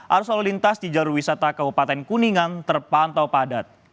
arus lalu lintas di jalur wisata kabupaten kuningan terpantau padat